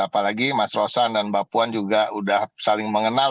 apalagi mas rosan dan mbak puan juga sudah saling mengenal